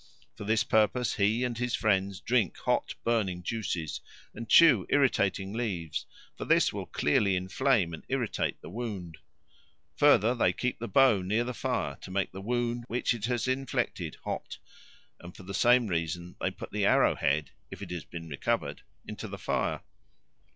For this purpose he and his friends drink hot and burning juices and chew irritating leaves, for this will clearly inflame and irritate the wound. Further, they keep the bow near the fire to make the wound which it has inflicted hot; and for the same reason they put the arrow head, if it has been recovered, into the fire.